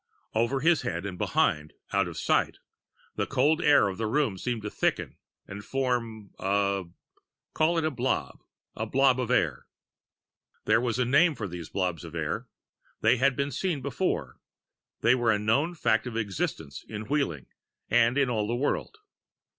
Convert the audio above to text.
Over his head and behind, out of sight, the cold air of the room seemed to thicken and form a call it a blob; a blob of air. There was a name for those blobs of air. They had been seen before. They were a known fact of existence in Wheeling and in all the world.